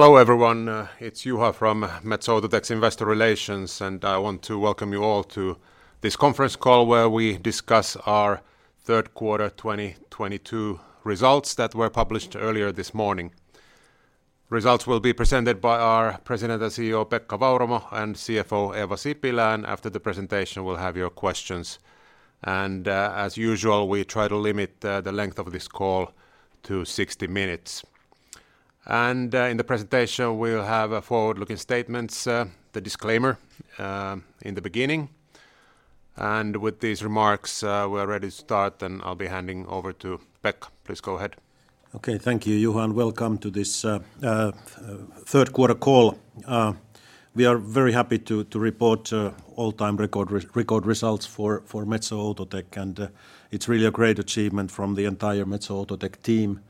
Hello everyone. It's Juha from Metso Outotec Investor Relations, and I want to welcome you all to this conference call where we discuss Our Third Quarter 2022 Results that were published earlier this morning. Results will be presented by our President and CEO, Pekka Vauramo, and CFO, Eeva Sipilä, and after the presentation, we'll have your questions. As usual, we try to limit the length of this call to 60 minutes. In the presentation, we'll have forward-looking statements, the disclaimer, in the beginning. With these remarks, we're ready to start, and I'll be handing over to Pekka. Please go ahead. Okay. Thank you, Juha, and welcome to this third quarter call. We are very happy to report all-time record results for Metso Outotec, and it's really a great achievement from the entire Metso Outotec team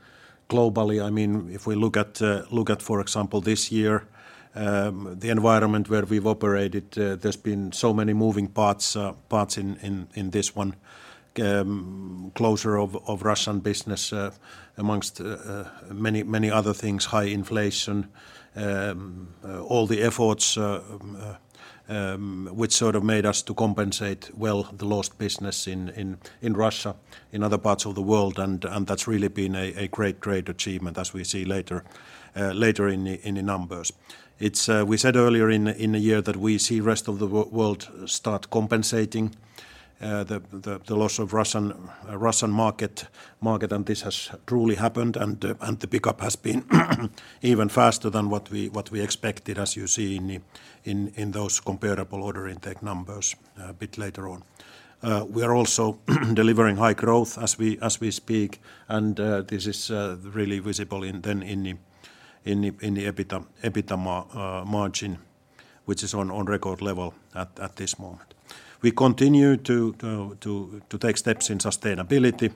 globally. I mean, if we look at, for example, this year, the environment where we've operated, there's been so many moving parts in this one. Closure of Russian business, among many other things, high inflation, all the efforts which sort of made us to compensate well the lost business in Russia, in other parts of the world, and that's really been a great achievement as we see later in the numbers. We said earlier in the year that we see rest of the world start compensating the loss of Russian market. This has truly happened, and the pickup has been even faster than what we expected, as you see in those comparable order intake numbers a bit later on. We are also delivering high growth as we speak, and this is really visible in the EBITDA margin, which is on record level at this moment. We continue to take steps in sustainability.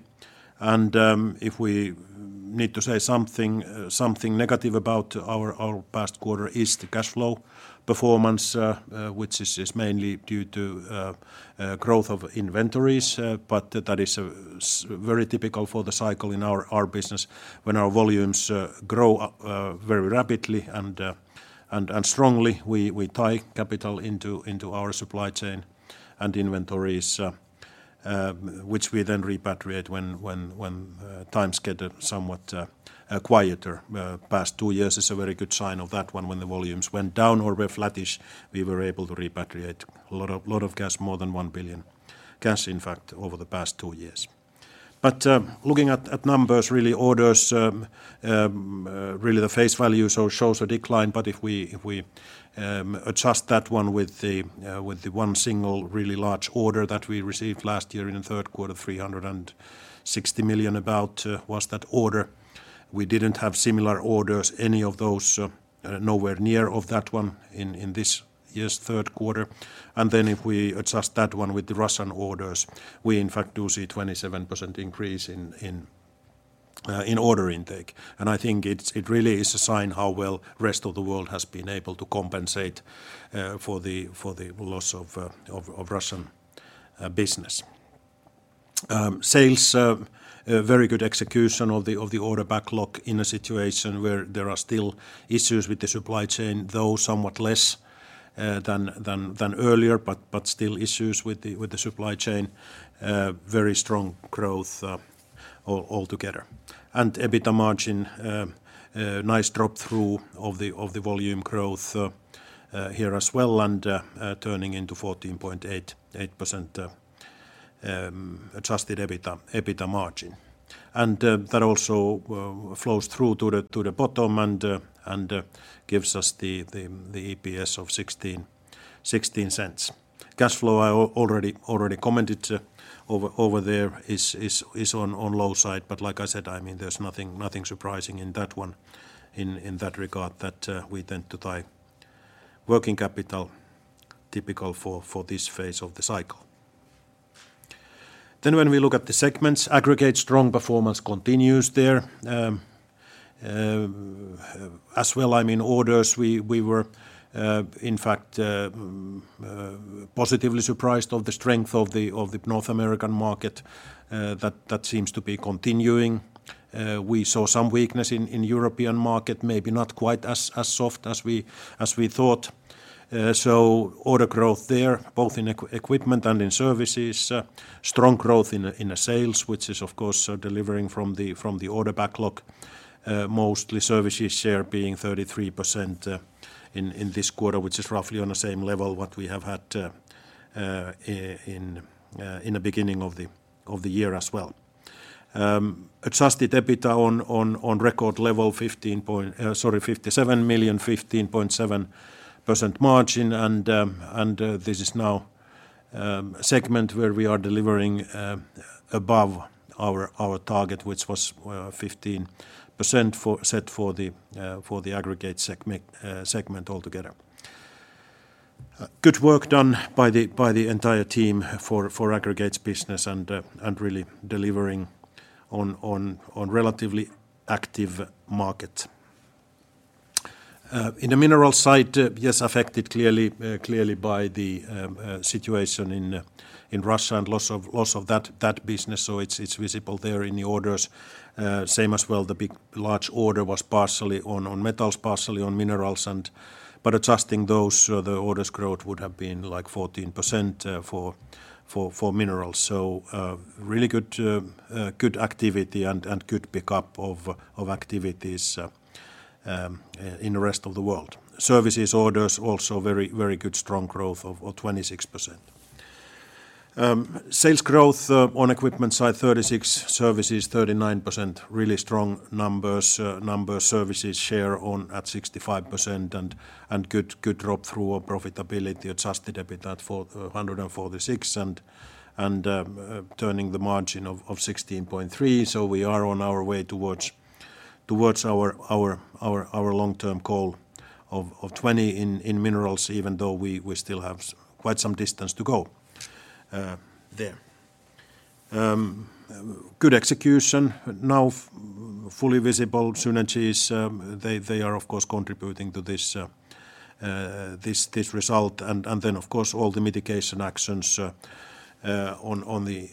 If we need to say something negative about our past quarter is the cash flow performance, which is mainly due to growth of inventories, but that is very typical for the cycle in our business when our volumes grow up very rapidly and strongly we tie capital into our supply chain and inventories, which we then repatriate when times get somewhat quieter. Past two years is a very good sign of that one when the volumes went down or were flattish, we were able to repatriate a lot of cash, more than 1 billion cash, in fact, over the past two years. Looking at numbers, really orders, really the face value so shows a decline. If we adjust that one with the one single really large order that we received last year in the third quarter, 360 million about was that order. We didn't have similar orders, any of those, nowhere near of that one in this year's third quarter. Then if we adjust that one with the Russian orders, we in fact do see 27% increase in order intake. I think it's, it really is a sign how well rest of the world has been able to compensate for the loss of Russian business. Sales, a very good execution of the order backlog in a situation where there are still issues with the supply chain, though somewhat less than earlier, but still issues with the supply chain. Very strong growth altogether. EBITDA margin, nice drop through of the volume growth here as well and turning into 14.8% adjusted EBITDA margin. That also flows through to the bottom and gives us the EPS of 0.16. Cash flow I already commented over there is on low side. Like I said, I mean, there's nothing surprising in that one, in that regard that we tend to tie up working capital typical for this phase of the cycle. When we look at the segments, Aggregates strong performance continues there. As well, I mean, orders we were in fact positively surprised of the strength of the North American market, that seems to be continuing. We saw some weakness in European market, maybe not quite as soft as we thought. So order growth there, both in equipment and in services. Strong growth in the sales, which is of course delivering from the order backlog, mostly services share being 33%, in this quarter, which is roughly on the same level what we have had in the beginning of the year as well. Adjusted EBITDA on record level 57 million, 15.7% margin and this is now a segment where we are delivering above our target, which was 15% set for the Aggregates segment altogether. Good work done by the entire team for Aggregates business and really delivering on relatively active market. In the Minerals side, yes, affected clearly by the situation in Russia and loss of that business, so it's visible there in the orders. Same as well the big large order was partially on Metals, partially on Minerals. Adjusting those, the orders growth would have been like 14% for Minerals. Really good activity and good pick-up of activities in the rest of the world. Services orders also very good strong growth of 26%. Sales growth on equipment side 36%, services 39%. Really strong numbers, Services share on at 65% and good flow-through to profitability-adjusted EBIT at 446 million and the margin of 16.3%, so we are on our way towards our long-term goal of 20% in Minerals even though we still have quite some distance to go there. Good execution. Now fully visible synergies, they are of course contributing to this result and then of course all the mitigation actions on the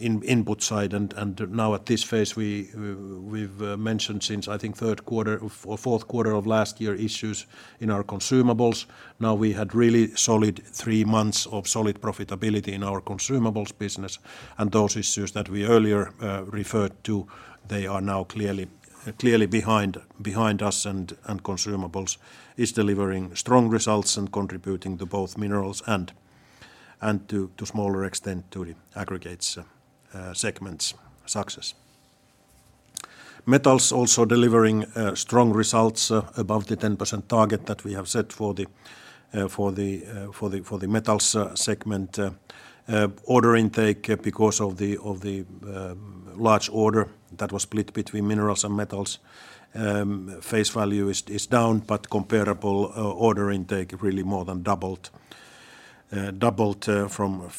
input side and now at this phase we've mentioned since I think third quarter or fourth quarter of last year issues in our consumables. Now we had really solid three months of solid profitability in our consumables business and those issues that we earlier referred to, they are now clearly behind us and consumables is delivering strong results and contributing to both Minerals and to smaller extent to the Aggregates segment's success. Metals also delivering strong results above the 10% target that we have set for the Metals segment. Order intake because of the large order that was split between Minerals and Metals, face value is down but comparable order intake really more than doubled. Doubled from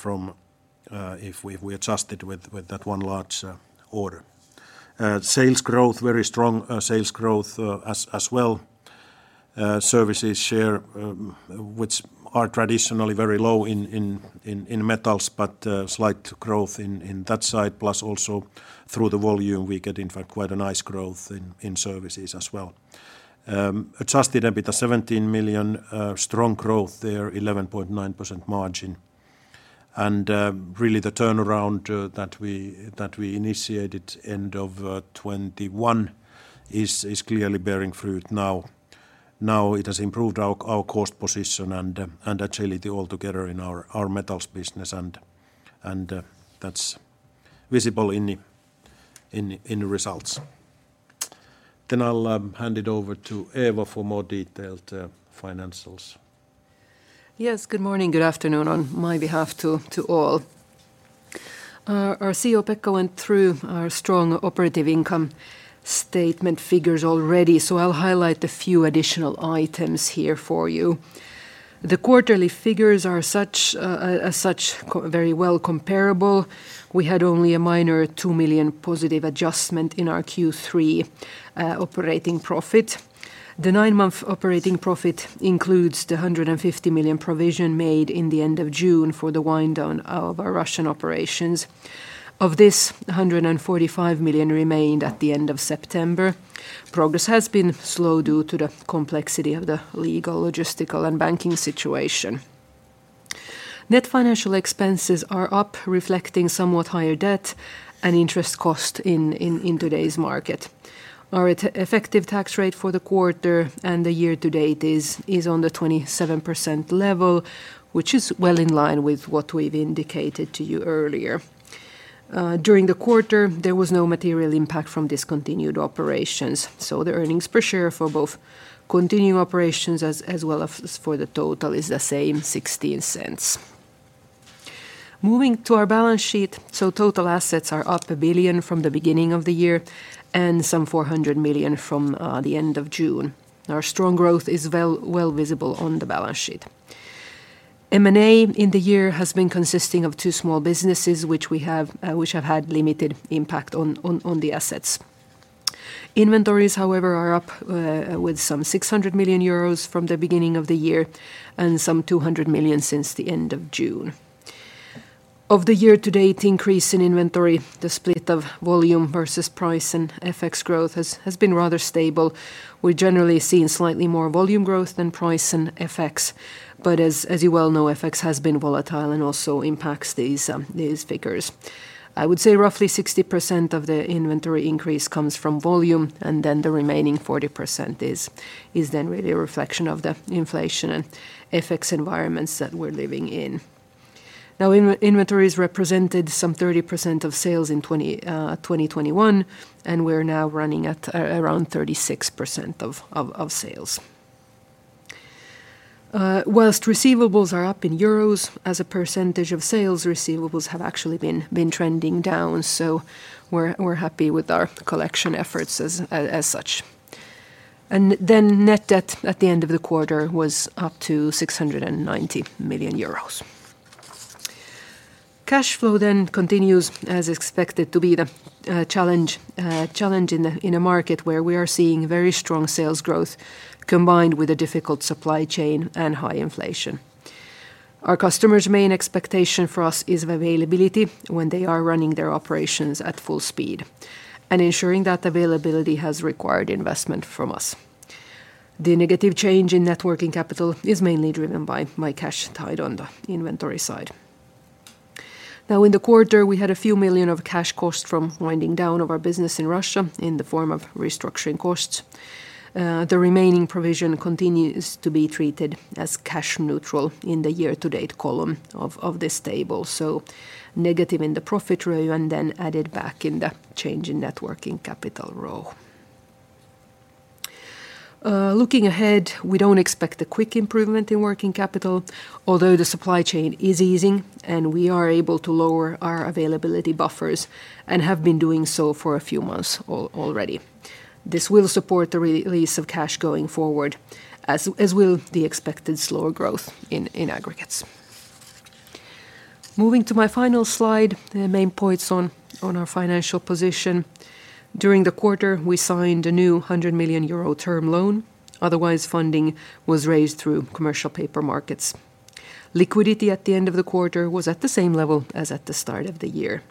if we adjusted with that one large order. Sales growth very strong sales growth as well. Services share, which are traditionally very low in Metals but slight growth in that side plus also through the volume we get in fact quite a nice growth in services as well. Adjusted EBIT, 17 million, strong growth there, 11.9% margin. Really the turnaround that we initiated end of 2021 is clearly bearing fruit now. It has improved our cost position and agility altogether in our Metals business and that's visible in the results. I'll hand it over to Eeva for more detailed financials. Yes. Good morning, good afternoon on my behalf to all. Our CEO Pekka went through our strong operating income statement figures already, so I'll highlight a few additional items here for you. The quarterly figures are such as such very well comparable. We had only a minor 2 million positive adjustment in our Q3 operating profit. The nine-month operating profit includes the 150 million provision made in the end of June for the wind down of our Russian operations. Of this, 145 million remained at the end of September. Progress has been slow due to the complexity of the legal, logistical and banking situation. Net financial expenses are up reflecting somewhat higher debt and interest cost in today's market. Our effective tax rate for the quarter and the year to date is on the 27% level, which is well in line with what we've indicated to you earlier. During the quarter, there was no material impact from discontinued operations, so the earnings per share for both continuing operations as well as for the total is the same 0.16. Moving to our balance sheet, total assets are up 1 billion from the beginning of the year and some 400 million from the end of June. Our strong growth is well visible on the balance sheet. M&A in the year has been consisting of two small businesses which have had limited impact on the assets. Inventories however are up with some 600 million euros from the beginning of the year and some 200 million since the end of June. Of the year to date increase in inventory, the split of volume versus price and FX growth has been rather stable. We're generally seeing slightly more volume growth than price and FX, but as you well know, FX has been volatile and also impacts these figures. I would say roughly 60% of the inventory increase comes from volume, and then the remaining 40% is then really a reflection of the inflation and FX environments that we're living in. Now inventories represented some 30% of sales in 2021, and we're now running at around 36% of sales. While receivables are up in euros as a % of sales, receivables have actually been trending down, so we're happy with our collection efforts as such. Net debt at the end of the quarter was up to 690 million euros. Cash flow continues as expected to be the challenge in a market where we are seeing very strong sales growth combined with a difficult supply chain and high inflation. Our customers' main expectation for us is of availability when they are running their operations at full speed, and ensuring that availability has required investment from us. The negative change in net working capital is mainly driven by our cash tied on the inventory side. Now in the quarter, we had a few million of cash costs from winding down of our business in Russia in the form of restructuring costs. The remaining provision continues to be treated as cash neutral in the year-to-date column of this table, so negative in the profit row and then added back in the change in net working capital row. Looking ahead, we don't expect a quick improvement in working capital, although the supply chain is easing, and we are able to lower our availability buffers and have been doing so for a few months already. This will support the re-release of cash going forward as will the expected slower growth in Aggregates. Moving to my final slide, the main points on our financial position. During the quarter, we signed a new 100 million euro term loan. Otherwise, funding was raised through commercial paper markets. Liquidity at the end of the quarter was at the same level as at the start of the year.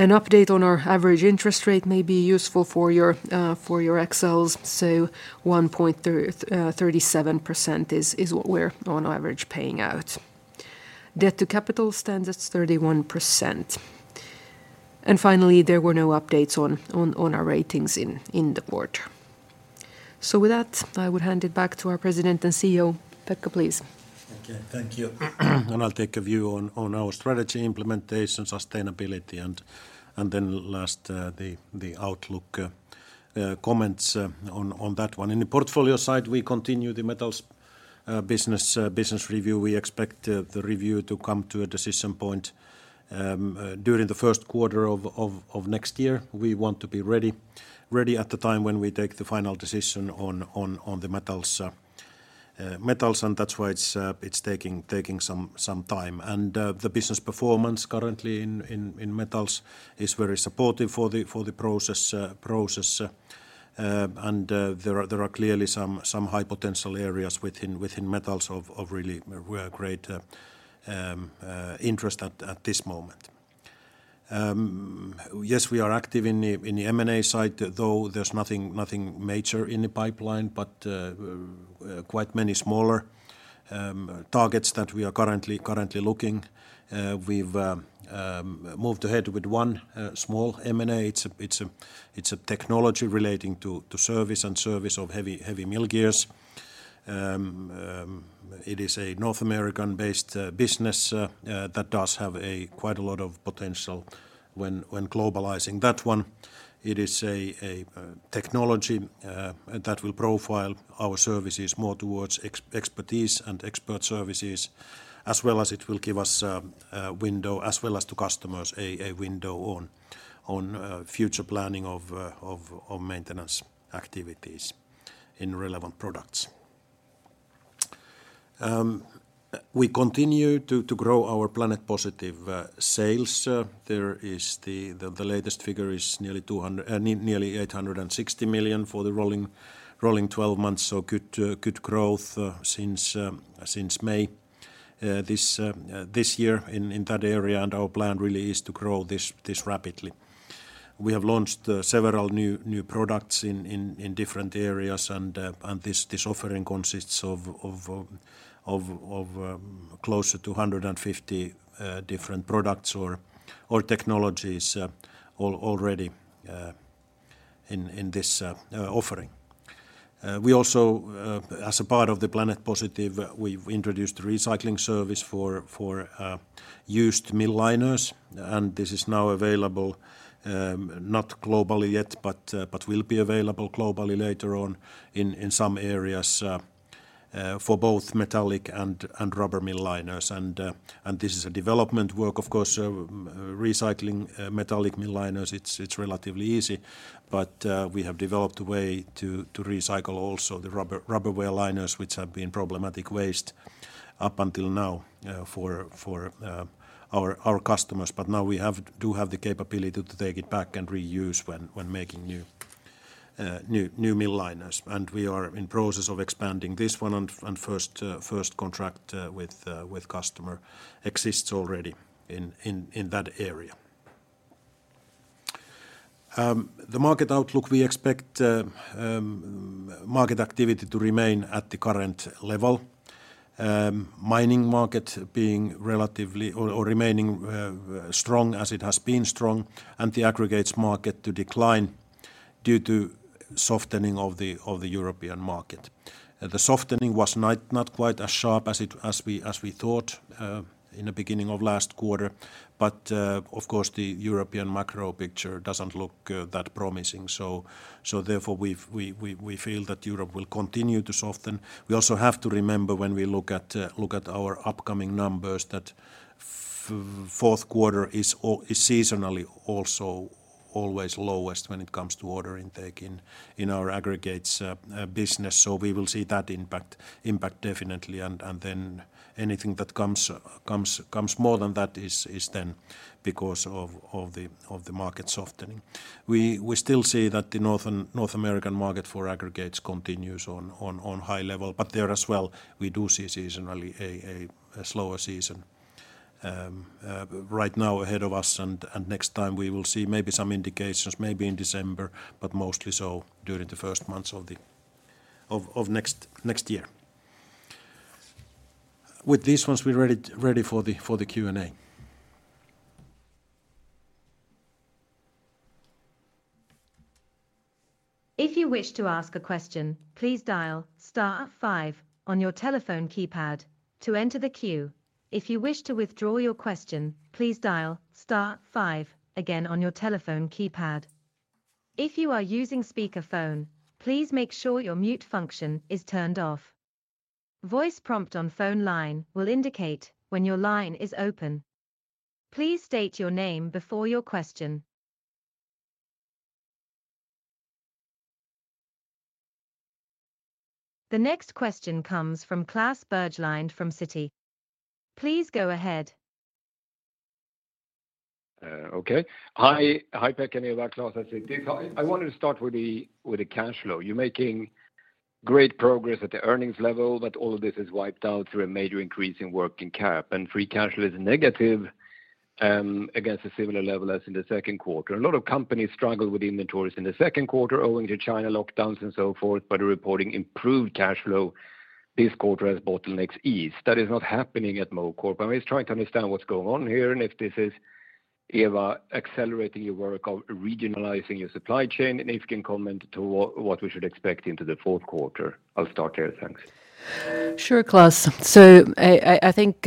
An update on our average interest rate may be useful for your Excel's, so 1.37% is what we're on average paying out. Debt-to-capital stands at 31%. Finally, there were no updates on our ratings in the quarter. With that, I would hand it back to our President and CEO. Pekka, please. Okay, thank you. I'll take a view on our strategy implementation, sustainability, and then last, the outlook comments on that one. In the portfolio side, we continue the Metals business review. We expect the review to come to a decision point during the first quarter of next year. We want to be ready at the time when we take the final decision on the Metals, and that's why it's taking some time. The business performance currently in Metals is very supportive for the process. There are clearly some high potential areas within Metals of really great interest at this moment. Yes, we are active in the M&A side, though there's nothing major in the pipeline but quite many smaller targets that we are currently looking. We've moved ahead with one small M&A. It's a technology relating to service of heavy mill gears. It is a North American-based business that does have quite a lot of potential when globalizing that one. It is a technology that will profile our services more towards expertise and expert services, as well as it will give us a window as well as to customers a window on future planning of maintenance activities in relevant products. We continue to grow our Planet Positive sales. The latest figure is nearly 860 million for the rolling 12 months, so good growth since May this year in that area, and our plan really is to grow this rapidly. We have launched several new products in different areas and this offering consists of close to 250 different products or technologies already in this offering. We also, as a part of the Planet Positive, we've introduced a recycling service for used mill liners, and this is now available, not globally yet, but will be available globally later on in some areas, for both metallic and rubber mill liners. This is a development work, of course. Recycling metallic mill liners, it's relatively easy, but we have developed a way to recycle also the rubber wear liners which have been problematic waste up until now, for our customers. Now we do have the capability to take it back and reuse when making new mill liners. We are in process of expanding this one and first contract with customer exists already in that area. The market outlook, we expect, market activity to remain at the current level. Mining market remaining strong as it has been strong, and the Aggregates market to decline due to softening of the European market. The softening was not quite as sharp as we thought in the beginning of last quarter. Of course, the European macro picture doesn't look that promising. Therefore we feel that Europe will continue to soften. We also have to remember when we look at our upcoming numbers that fourth quarter is seasonally also. Always lowest when it comes to order intake in our Aggregates business. We will see that impact definitely. Anything that comes more than that is then because of the market softening. We still see that the North American market for Aggregates continues on high level. There as well, we do see seasonally a slower season right now ahead of us. Next time we will see maybe some indications, maybe in December, but mostly so during the first months of next year. With this ones we're ready for the Q&A. If you wish to ask a question, please dial star five on your telephone keypad to enter the queue. If you wish to withdraw your question, please dial star five again on your telephone keypad. If you are using speaker phone, please make sure your mute function is turned off. Voice prompt on phone line will indicate when your line is open. Please state your name before your question. The next question comes from Klas Bergelind from Citi. Please go ahead. Okay. Hi. Hi, Pekka and Eeva. Klas at Citi. I wanted to start with the cash flow. You're making great progress at the earnings level, but all of this is wiped out through a major increase in working cap. Free cash flow is negative against a similar level as in the second quarter. A lot of companies struggled with inventories in the second quarter owing to China lockdowns and so forth, but are reporting improved cash flow this quarter as bottlenecks ease. That is not happening at Metso Outotec. I'm just trying to understand what's going on here, and if this is, Eeva, accelerating your work of regionalizing your supply chain, and if you can comment to what we should expect into the fourth quarter. I'll start there. Thanks. Sure, Klas. I think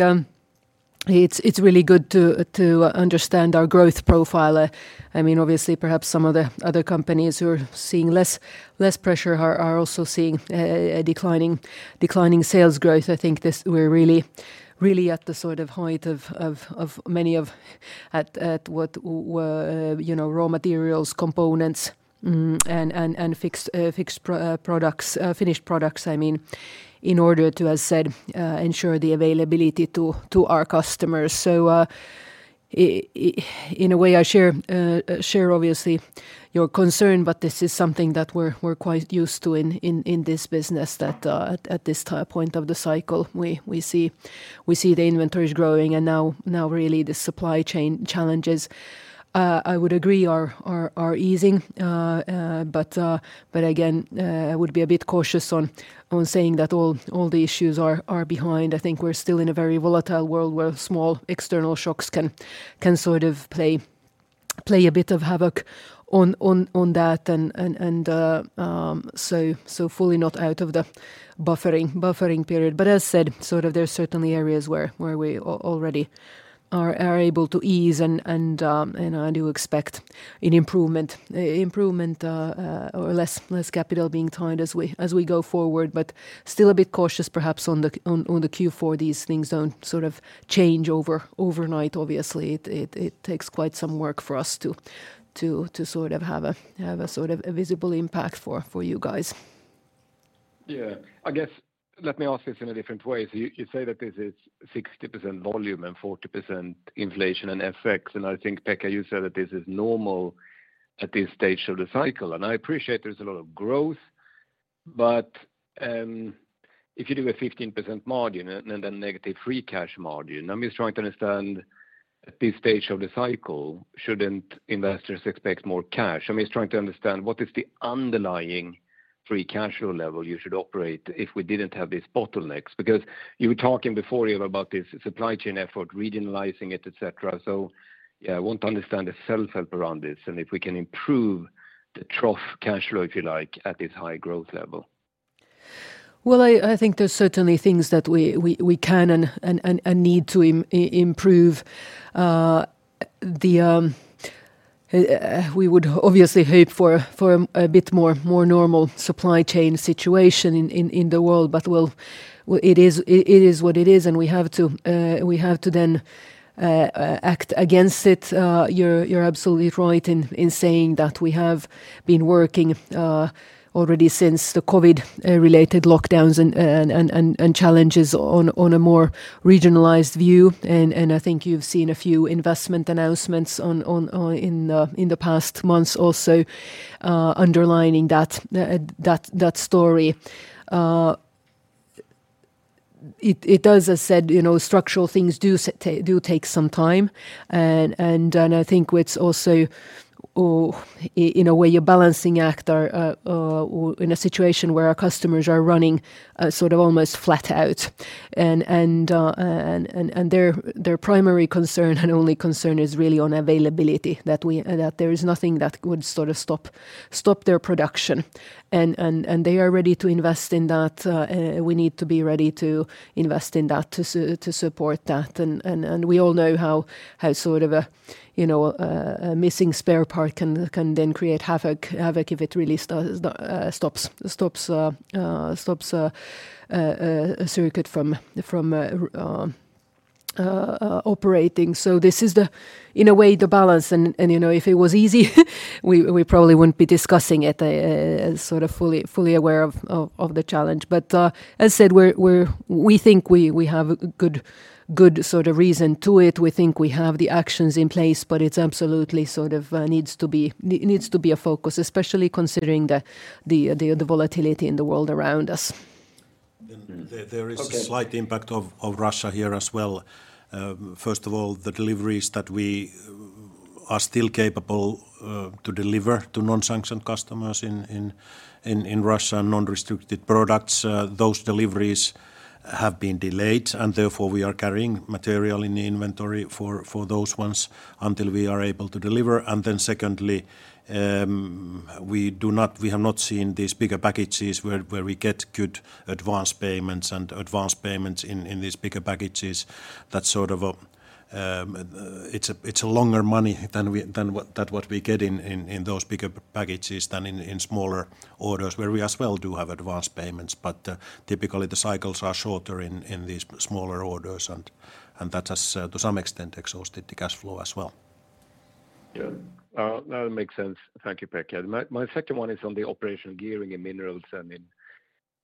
it's really good to understand our growth profile. I mean, obviously perhaps some of the other companies who are seeing less pressure are also seeing a declining sales growth. I think we're really at the sort of height of many of what were, you know, raw materials, components, and fixed pre-products, finished products, I mean, in order to, as said, ensure the availability to our customers. In a way, I share obviously your concern, but this is something that we're quite used to in this business that at this point of the cycle, we see the inventories growing and now really the supply chain challenges I would agree are easing. But again, I would be a bit cautious on saying that all the issues are behind. I think we're still in a very volatile world where small external shocks can sort of play a bit of havoc on that. Fully not out of the buffering period. As said, sort of there's certainly areas where we already are able to ease and, you know, I do expect an improvement or less capital being tied as we go forward. Still a bit cautious perhaps on the Q4. These things don't sort of change overnight, obviously. It takes quite some work for us to sort of have a sort of a visible impact for you guys. Yeah. I guess, let me ask this in a different way. You say that this is 60% volume and 40% inflation and FX. I think, Pekka, you said that this is normal at this stage of the cycle. I appreciate there's a lot of growth. If you do a 15% margin and a negative free cash margin, I'm just trying to understand at this stage of the cycle, shouldn't investors expect more cash? I'm just trying to understand what is the underlying free cash flow level you should operate if we didn't have these bottlenecks. Because you were talking before, Eeva, about this supply chain effort, regionalizing it, et cetera. Yeah, I want to understand the self-help around this and if we can improve the trough cash flow, if you like, at this high growth level. Well, I think there's certainly things that we can and need to improve. We would obviously hope for a bit more normal supply chain situation in the world. Well, it is what it is, and we have to then act against it. You're absolutely right in saying that we have been working already since the COVID related lockdowns and challenges on a more regionalized view. I think you've seen a few investment announcements in the past months also, underlining that story. It does, as said, you know, structural things do take some time. I think it's also in a way a balancing act or in a situation where our customers are running sort of almost flat out. Their primary concern and only concern is really on availability, that there is nothing that would sort of stop their production. They are ready to invest in that. We need to be ready to invest in that to support that. We all know how sort of a you know a missing spare part can then create havoc if it really stops a circuit from operating. This is, in a way, the balance and you know, if it was easy we probably wouldn't be discussing it sort of fully aware of the challenge. As said, we think we have a good sort of reason to it. We think we have the actions in place, but it's absolutely sort of needs to be a focus, especially considering the volatility in the world around us. Then there is- Okay Slight impact of Russia here as well. First of all, the deliveries that we are still capable to deliver to non-sanctioned customers in Russia, non-restricted products, those deliveries have been delayed and therefore we are carrying material in the inventory for those ones until we are able to deliver. Secondly, we have not seen these bigger packages where we get good advanced payments in these bigger packages that sort of, it's a longer money than what we get in those bigger packages than in smaller orders where we as well do have advanced payments. Typically the cycles are shorter in these smaller orders and that has to some extent exhausted the cash flow as well. Yeah. That makes sense. Thank you, Pekka. My second one is on the operational gearing in Minerals and in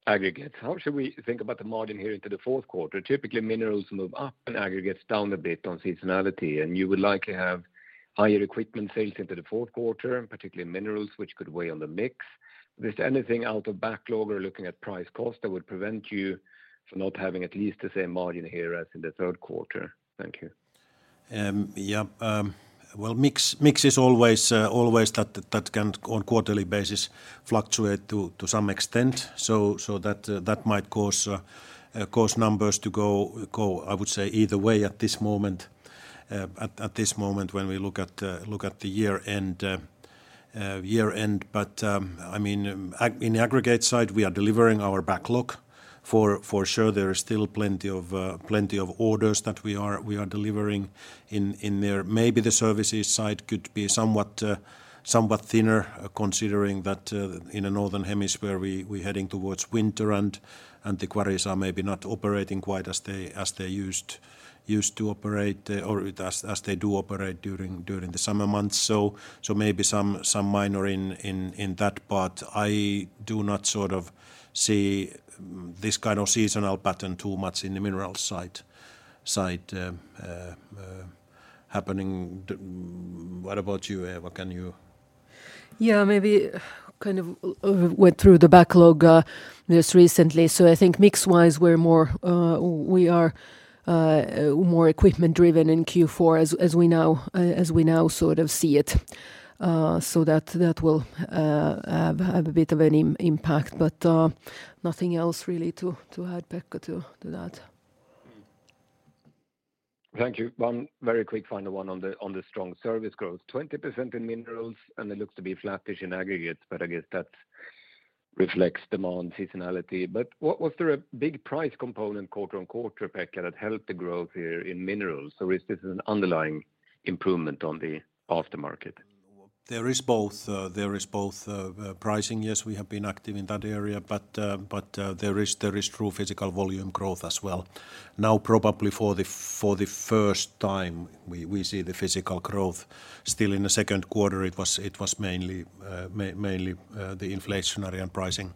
Aggregates. How should we think about the margin here into the fourth quarter? Typically, Minerals move up and Aggregates down a bit on seasonality, and you would likely have higher equipment sales into the fourth quarter, particularly Minerals, which could weigh on the mix. Is anything out of backlog or looking at price cost that would prevent you from not having at least the same margin here as in the third quarter? Thank you. Yeah. Well, mix is always that can on quarterly basis fluctuate to some extent. That might cause numbers to go, I would say either way at this moment when we look at the year-end. I mean, on the Aggregates side, we are delivering our backlog. For sure there is still plenty of orders that we are delivering in there. Maybe the services side could be somewhat thinner considering that in the northern hemisphere we're heading towards winter and the quarries are maybe not operating quite as they used to operate or as they do operate during the summer months. Maybe some minor in that. I do not sort of see this kind of seasonal pattern too much in the Minerals side happening. What about you, Eeva? Can you? Yeah, maybe kind of went through the backlog just recently. I think mix-wise we're more equipment driven in Q4 as we now sort of see it. That will have a bit of an impact. Nothing else really to add, Pekka, to that. Thank you. One very quick final one on the strong service growth. 20% in Minerals, and it looks to be flattish in Aggregates, but I guess that reflects demand seasonality. Was there a big price component quarter-on-quarter, Pekka, that helped the growth here in Minerals, or is this an underlying improvement on the aftermarket? There is both. Pricing, yes, we have been active in that area, but there is true physical volume growth as well. Now, probably for the first time we see the physical growth. Still in the second quarter it was mainly the inflationary and pricing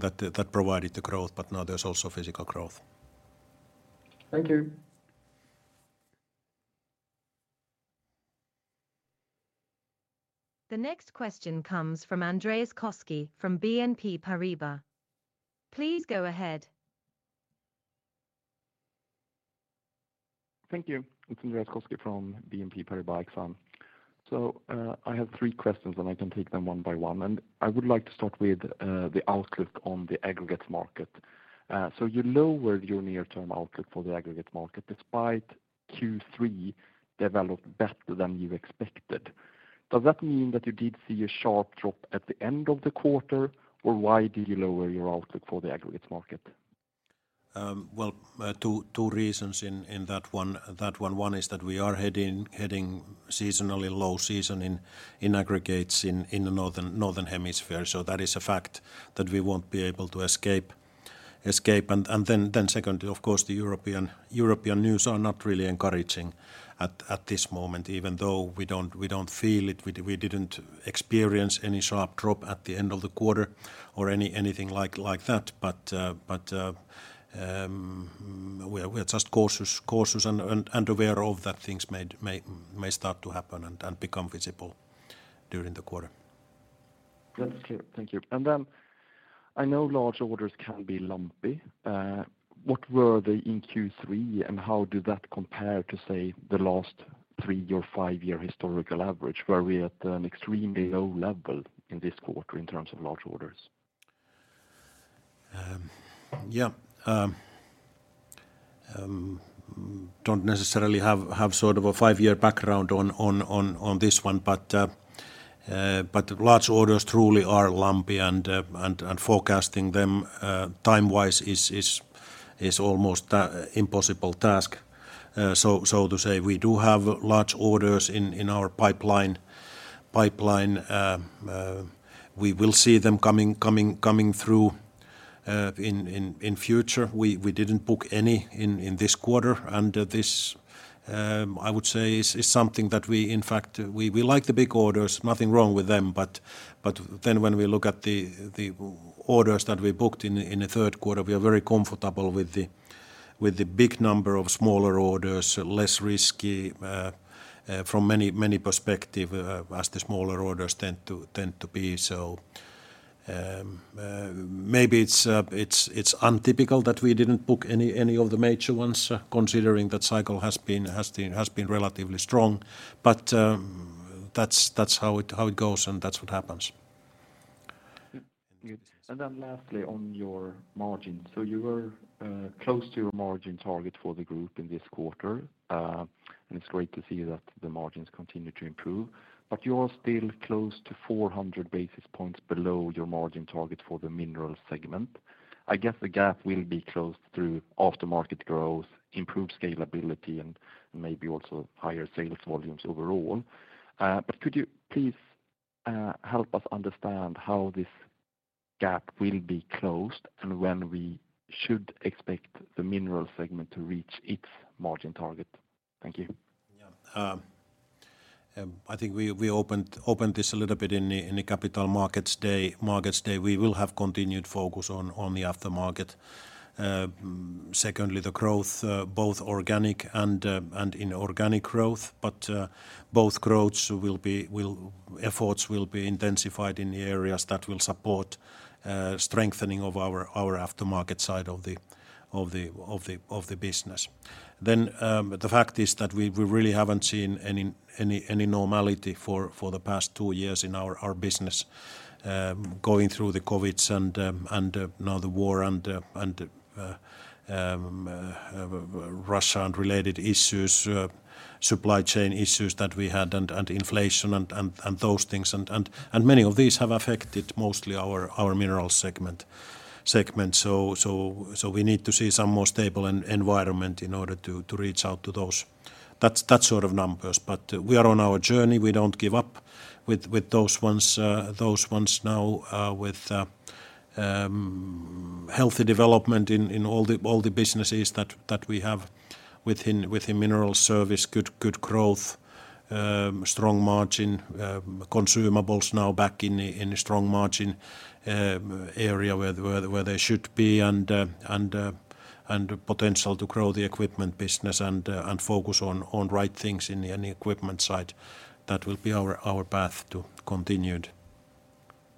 that provided the growth, but now there's also physical growth. Thank you. The next question comes from Andreas Koski from BNP Paribas. Please go ahead. Thank you. It's Andreas Koski from BNP Paribas Exane. I have three questions, and I can take them one by one. I would like to start with the outlook on the Aggregates market. You lowered your near-term outlook for the Aggregates market despite Q3 developed better than you expected. Does that mean that you did see a sharp drop at the end of the quarter, or why did you lower your outlook for the Aggregates market? Well, two reasons in that one. One is that we are heading seasonally low season in Aggregates in the northern hemisphere, so that is a fact that we won't be able to escape. Then secondly, of course, the European news are not really encouraging at this moment, even though we don't feel it. We didn't experience any sharp drop at the end of the quarter or anything like that. We are just cautious and aware of that things may start to happen and become visible during the quarter. That's clear. Thank you. I know large orders can be lumpy. What were they in Q3, and how did that compare to, say, the last three or five-year historical average? Were we at an extremely low level in this quarter in terms of large orders? Don't necessarily have sort of a five-year background on this one, but large orders truly are lumpy and forecasting them time-wise is almost an impossible task. To say we do have large orders in our pipeline. We will see them coming through in future. We didn't book any in this quarter and this, I would say, is something that we in fact like the big orders, nothing wrong with them, but then when we look at the orders that we booked in the third quarter, we are very comfortable with the big number of smaller orders, less risky from many perspectives, as the smaller orders tend to be. Maybe it's atypical that we didn't book any of the major ones considering that cycle has been relatively strong. That's how it goes and that's what happens. Good. Then lastly on your margin. You were close to your margin target for the group in this quarter, and it's great to see that the margins continue to improve. You are still close to 400 basis points below your margin target for the Minerals segment. I guess the gap will be closed through after-market growth, improved scalability, and maybe also higher sales volumes overall. Could you please help us understand how this gap will be closed and when we should expect the Minerals segment to reach its margin target? Thank you. Yeah. I think we opened this a little bit in the Capital Markets Day. We will have continued focus on the aftermarket. Secondly, the growth, both organic and inorganic, efforts will be intensified in the areas that will support strengthening of our aftermarket side of the business. The fact is that we really haven't seen any normality for the past two years in our business, going through the COVID and Russia and related issues, supply chain issues that we had and inflation and those things and many of these have affected mostly our Minerals segment. We need to see some more stable environment in order to reach out to those. That sort of numbers. We are on our journey. We don't give up with those ones now, with healthy development in all the businesses that we have within mineral service. Good growth, strong margin, consumables now back in a strong margin area where they should be and potential to grow the equipment business and focus on right things in the equipment side. That will be our path to continued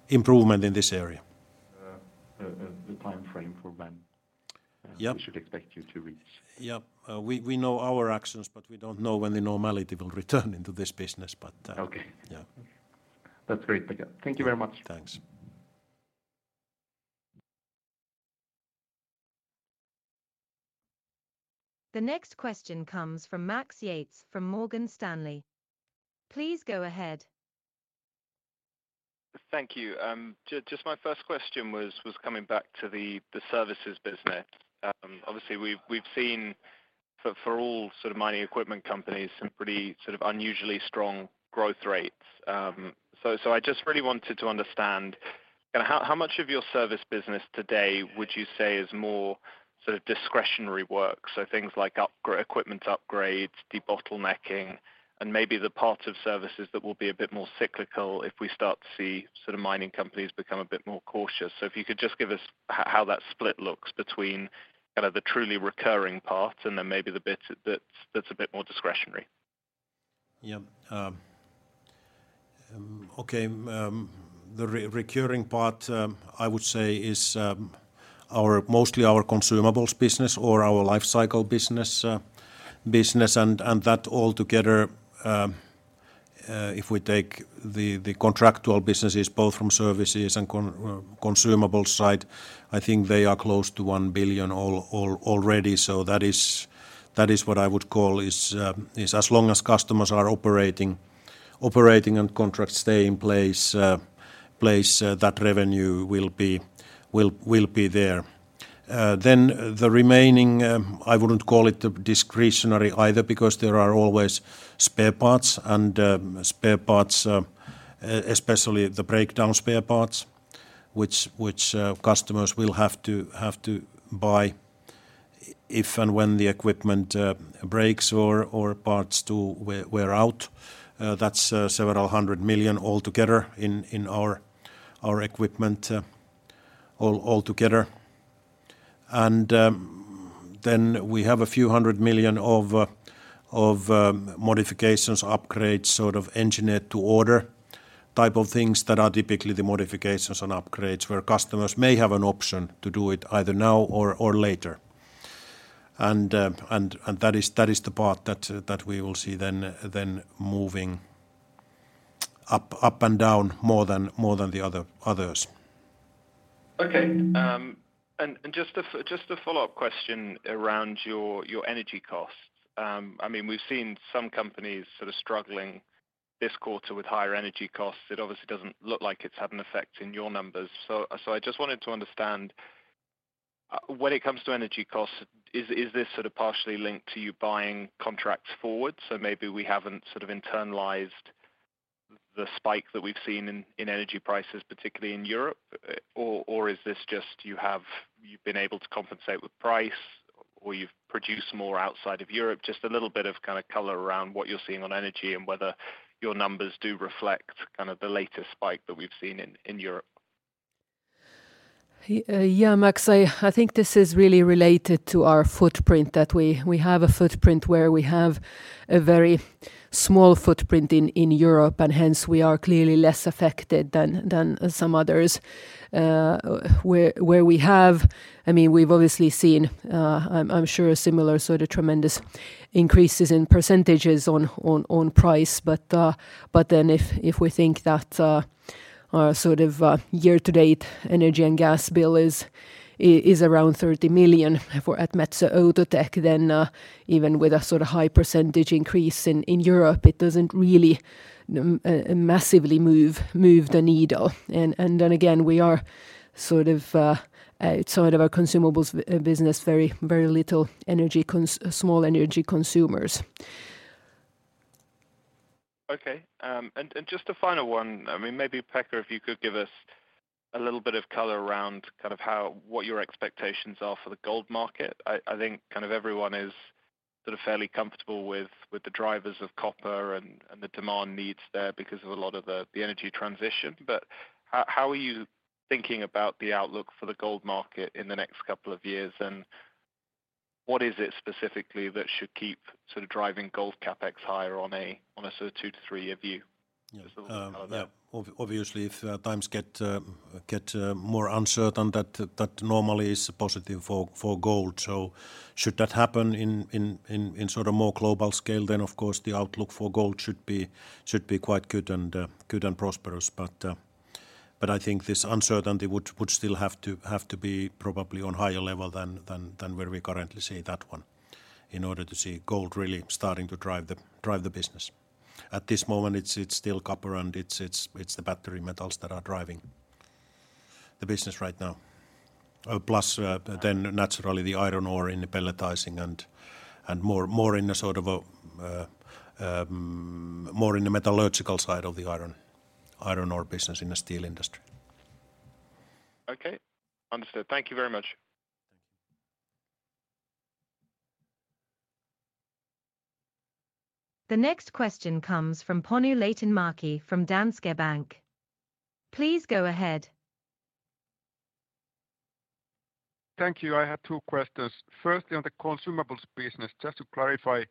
improvement in this area. The timeframe for when Yeah. We should expect you to reach. Yeah. We know our actions, but we don't know when the normality will return into this business. Okay. Yeah. That's great. Thank you. Thank you very much. Thanks. The next question comes from Max Yates from Morgan Stanley. Please go ahead. Thank you. Just my first question was coming back to the services business. Obviously we've seen for all sort of mining equipment companies some pretty sort of unusually strong growth rates. I just really wanted to understand kinda how much of your service business today would you say is more sort of discretionary work? Things like equipment upgrades, debottlenecking, and maybe the part of services that will be a bit more cyclical if we start to see sort of mining companies become a bit more cautious. If you could just give us how that split looks between kind of the truly recurring part and then maybe the bit that's a bit more discretionary. Yeah. Okay. The recurring part, I would say is our mostly consumables business or our lifecycle business and that all together, if we take the contractual businesses both from services and consumables side, I think they are close to 1 billion already. That is what I would call is as long as customers are operating and contracts stay in place, that revenue will be there. The remaining, I wouldn't call it discretionary either because there are always spare parts and spare parts, especially the breakdown spare parts, which customers will have to buy if and when the equipment breaks or parts do wear out. That's several 100 million all together in our equipment all together. Then we have a few 100 million of modifications, upgrades, sort of Engineer-to-Order type of things that are typically the modifications and upgrades where customers may have an option to do it either now or later. That is the part that we will see then moving up and down more than the others. Okay. Just a follow-up question around your energy costs. I mean, we've seen some companies sort of struggling this quarter with higher energy costs. It obviously doesn't look like it's had an effect in your numbers. I just wanted to understand, when it comes to energy costs, is this sort of partially linked to you buying contracts forward? Maybe we haven't sort of internalized the spike that we've seen in energy prices, particularly in Europe. Or is this just you've been able to compensate with price, or you've produced more outside of Europe? Just a little bit of kind of color around what you're seeing on energy and whether your numbers do reflect kind of the latest spike that we've seen in Europe. Yeah, Max, I think this is really related to our footprint, that we have a footprint where we have a very small footprint in Europe, and hence we are clearly less affected than some others. Where we have, I mean, we've obviously seen, I'm sure similar sort of tremendous increases in %s on price. If we think that our sort of year-to-date energy and gas bill is around 30 million for Metso Outotec, then even with a sort of high % increase in Europe, it doesn't really massively move the needle. Then again, we are sort of outside of our consumables business, very little energy small energy consumers. Okay. Just a final one. I mean, maybe Pekka, if you could give us a little bit of color around kind of what your expectations are for the gold market. I think kind of everyone is sort of fairly comfortable with the drivers of copper and the demand needs there because of a lot of the energy transition. But how are you thinking about the outlook for the gold market in the next couple of years? And what is it specifically that should keep sort of driving gold CapEx higher on a sort of two- to three-year view? Just a little bit of color there. Yeah. Obviously, if times get more uncertain, that normally is positive for gold. Should that happen on a more global scale, then of course the outlook for gold should be quite good and prosperous. I think this uncertainty would still have to be probably on higher level than where we currently see that one in order to see gold really starting to drive the business. At this moment, it's still copper and it's the battery Metals that are driving the business right now. Plus, then naturally the iron ore in the pelletizing and more in a sort of a more in the metallurgical side of the iron ore business in the steel industry. Okay. Understood. Thank you very much. Thank you. The next question comes from Panu Laitinmäki from Danske Bank. Please go ahead. Thank you. I have two questions. Firstly, on the consumables business, just to clarify,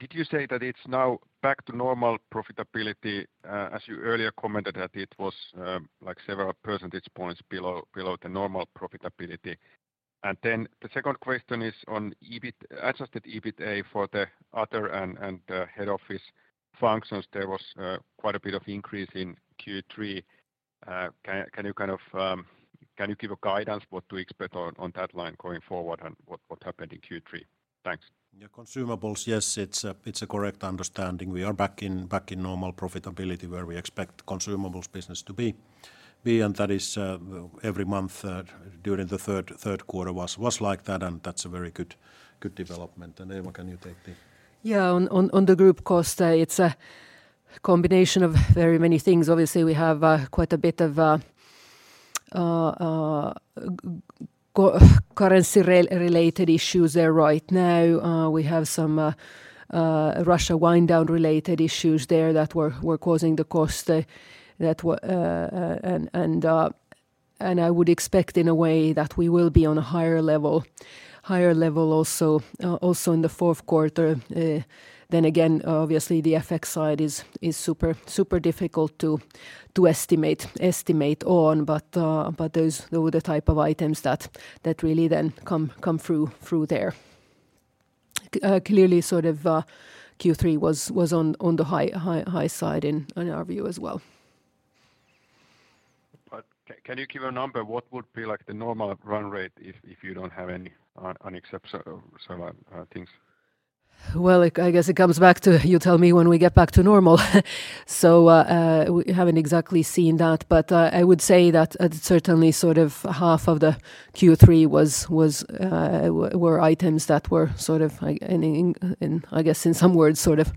did you say that it's now back to normal profitability, as you earlier commented that it was, like several percentage points below the normal profitability? Then the second question is on adjusted EBITDA for the other and head office functions, there was quite a bit of increase in Q3. Can you kind of give a guidance what to expect on that line going forward and what happened in Q3? Thanks. Yeah. Consumables, yes, it's a correct understanding. We are back in normal profitability where we expect consumables business to be. That is every month during the third quarter was like that, and that's a very good development. Eeva, can you take the- Yeah. On the group cost, it's a combination of very many things. Obviously, we have quite a bit of currency-related issues there right now. We have some Russia wind-down related issues there that were causing the cost, and I would expect in a way that we will be on a higher level also in the fourth quarter. Again, obviously the FX side is super difficult to estimate on. Those were the type of items that really then come through there. Clearly sort of Q3 was on the high side in our view as well. Can you give a number? What would be, like, the normal run rate if you don't have any exceptional things? Well, I guess it comes back to you tell me when we get back to normal. We haven't exactly seen that. I would say that certainly sort of half of the Q3 were items that were sort of like in, I guess in some words, sort of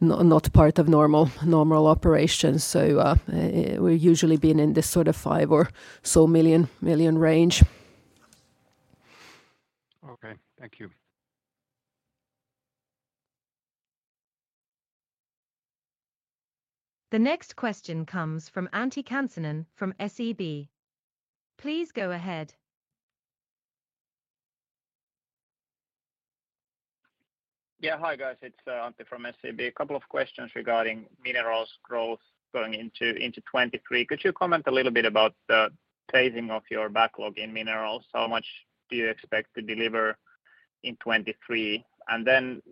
not part of normal operations. We're usually been in this sort of 5 million or so range. Okay. Thank you. The next question comes from Antti Kansanen from SEB. Please go ahead. Yeah. Hi, guys. It's Antti from SEB. A couple of questions regarding Minerals growth going into 2023. Could you comment a little bit about the phasing of your backlog in Minerals? How much do you expect to deliver in 2023? And then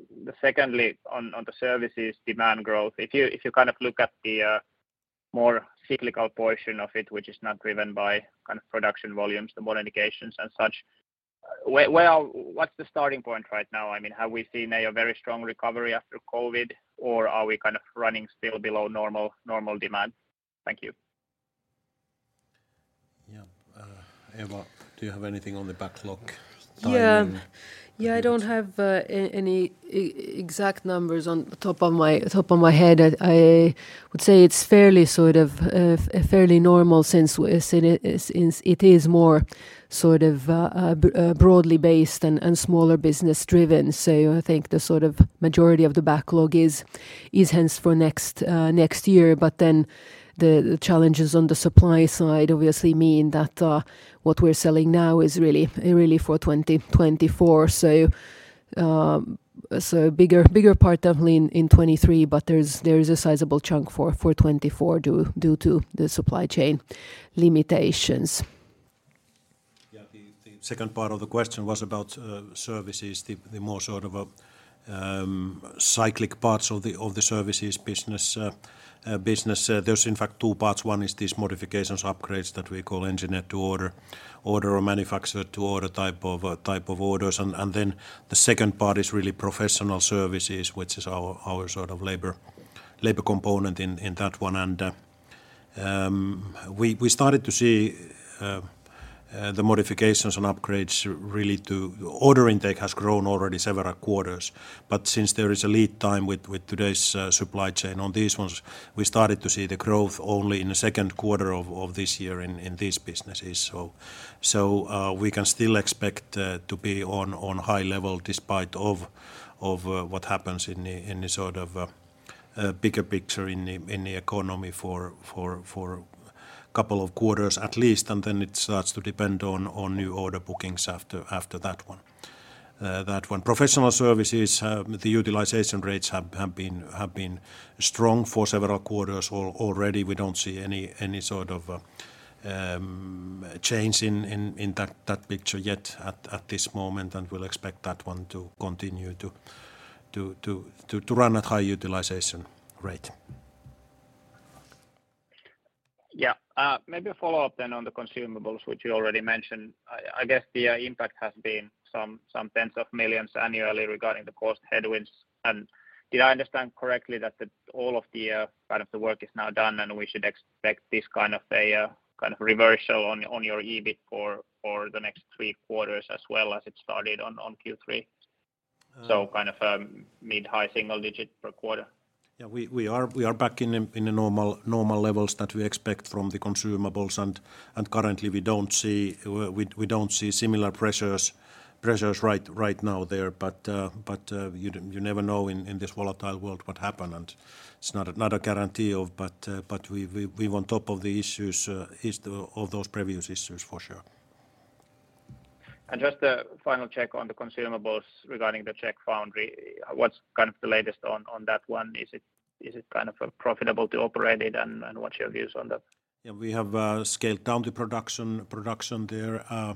secondly, on the services demand growth, if you kind of look at the more cyclical portion of it, which is not driven by kind of production volumes, the modifications and such. Well, what's the starting point right now? I mean, have we seen a very strong recovery after COVID, or are we kind of running still below normal demand? Thank you. Yeah. Eeva, do you have anything on the backlog timing? Yeah. I don't have any exact numbers on the top of my head. I would say it's fairly normal since it is more broadly based and smaller business driven. I think the sort of majority of the backlog is hence for next year. The challenges on the supply side obviously mean that what we're selling now is really for 2024. Bigger part definitely in 2023, but there is a sizable chunk for 2024 due to the supply chain limitations. Yeah. The second part of the question was about services, the more sort of cyclical parts of the services business. There's in fact two parts. One is these modifications, upgrades that we call Engineer-to-Order or make-to-order type of orders. Then the second part is really professional services, which is our sort of labor component in that one. We started to see the modifications and upgrades. Order intake has grown already several quarters. Since there is a lead time with today's supply chain on these ones, we started to see the growth only in the second quarter of this year in these businesses. We can still expect to be on high level despite of what happens in the sort of bigger picture in the economy for couple of quarters at least, and then it starts to depend on new order bookings after that one. Professional services, the utilization rates have been strong for several quarters already. We don't see any sort of change in that picture yet at this moment, and we'll expect that one to continue to run at high utilization rate. Yeah. Maybe a follow-up on the consumables, which you already mentioned. I guess the impact has been some EUR 10s of millions annually regarding the cost headwinds. Did I understand correctly that all of the kind of the work is now done and we should expect this kind of a kind of reversal on your EBIT for the next three quarters as well as it started on Q3? Um- Kind of, mid-high single digit per quarter. Yeah. We are back in the normal levels that we expect from the consumables, and currently we don't see similar pressures right now there. You never know in this volatile world what happen, and it's not a guarantee of. We're on top of the issues of those previous issues for sure. Just a final check on the consumables regarding the Czech foundry. What's kind of the latest on that one? Is it kind of profitable to operate it, and what's your views on that? Yeah. We have scaled down the production there.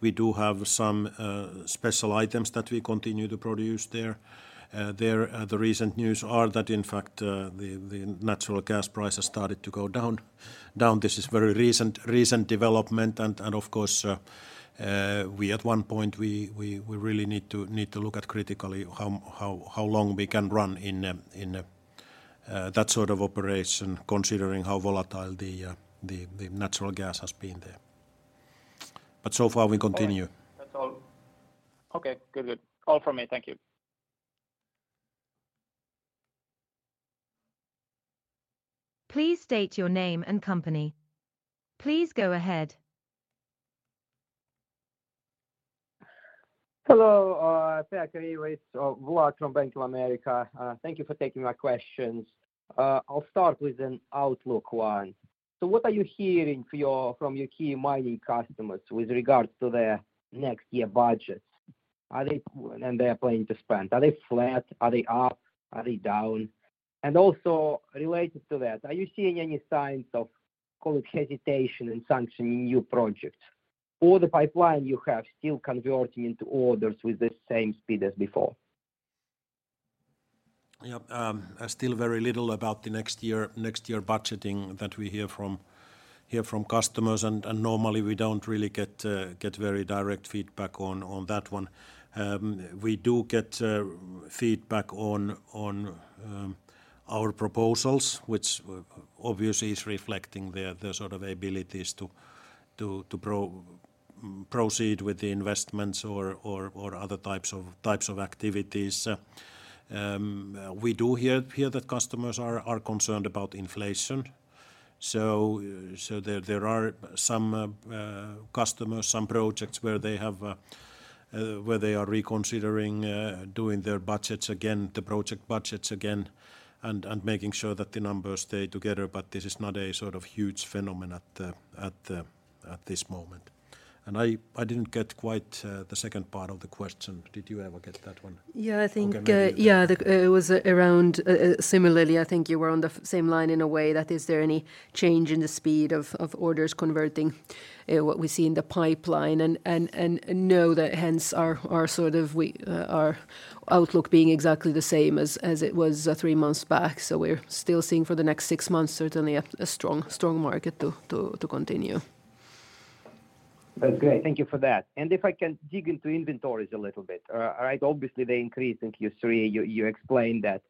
We do have some special items that we continue to produce there. The recent news are that in fact, the natural gas prices started to go down. This is very recent development and of course we at one point really need to look at critically how long we can run in that sort of operation considering how volatile the natural gas has been there. So far we continue. All right. That's all. Okay. Good. All from me. Thank you. Please state your name and company. Please go ahead. Hello, Vladimir Sergievskiy with Voula from Bank of America. Thank you for taking my questions. I'll start with an outlook one. What are you hearing from your key mining customers with regards to their next year budgets? Are they planning to spend? Are they flat? Are they up? Are they down? Also related to that, are you seeing any signs of, call it, hesitation in sanctioning new projects? Or the pipeline you have still converting into orders with the same speed as before? Yeah. Still very little about the next year budgeting that we hear from customers, and normally we don't really get very direct feedback on that one. We do get feedback on our proposals, which obviously is reflecting their sort of abilities to proceed with the investments or other types of activities. We do hear that customers are concerned about inflation. There are some customers, some projects where they are reconsidering doing their budgets again, the project budgets again, and making sure that the numbers stay together, but this is not a sort of huge phenomenon at this moment. I didn't get quite the second part of the question. Did you, Eeva, get that one? Yeah, I think. Okay. Yeah. It was around, similarly, I think you were on the same line in a way that is there any change in the speed of orders converting what we see in the pipeline and know that hence our sort of our outlook being exactly the same as it was three months back. We're still seeing for the next six months certainly a strong market to continue. That's great. Thank you for that. If I can dig into inventories a little bit. Right, obviously they increased in Q3, you explained that.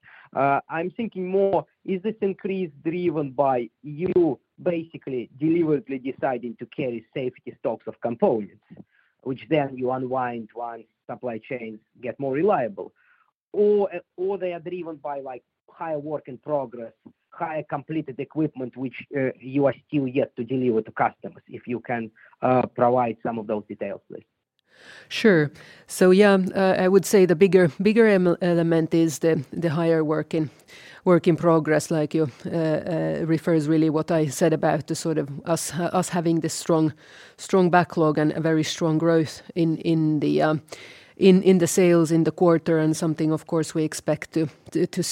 I'm thinking more is this increase driven by you basically deliberately deciding to carry safety stocks of components, which then you unwind once supply chains get more reliable? Or they are driven by, like, higher work in progress, higher completed equipment, which you are still yet to deliver to customers? If you can provide some of those details, please. Sure. Yeah, I would say the bigger element is the higher work in progress, like you referred to, really, what I said about the sort of us having this strong backlog and a very strong growth in the sales in the quarter, and something of course we expect to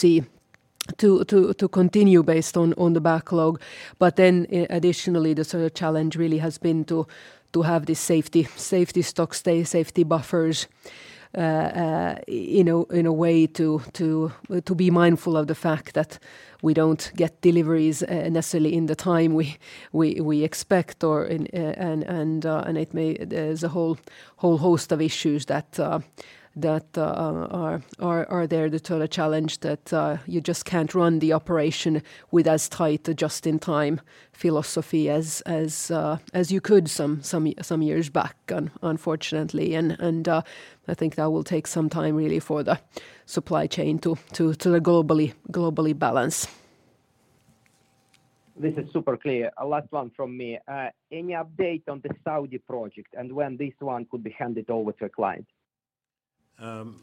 continue based on the backlog. Additionally, the sort of challenge really has been to have this safety stock, safety buffers in a way to be mindful of the fact that we don't get deliveries necessarily in the time we expect or in, and it may. There's a whole host of issues that are there that are a challenge that you just can't run the operation with as tight a just-in-time philosophy as you could some years back unfortunately. I think that will take some time really for the supply chain to globally balance. This is super clear. A last one from me. Any update on the Saudi project and when this one could be handed over to a client?